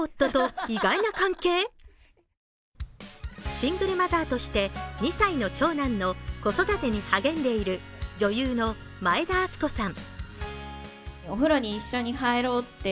シングルマザーとして２歳の長男の子育てに励んでいる女優の前田敦子さん。